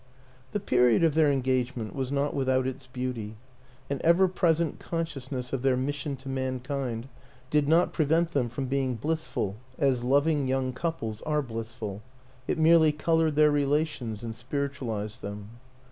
The period of their engagement was not with out its beauty; an ever present consciousness of their mission to mankind did not prevent them from being blissful as loving young couples are blissful it merely colored their relations and spiritualized them.